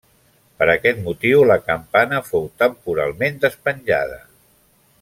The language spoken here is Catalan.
Per aquest motiu la campana fou temporalment despenjada.